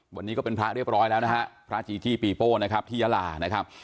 วันนี้ก็เป็นพระเรียบร้อยแล้วนะฮะพระจีจี้ปีโป้นะครับที่ยาลานะครับ